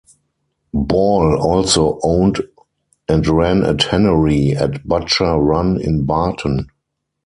Ball also owned and ran a tannery at Butcher Run in Barton.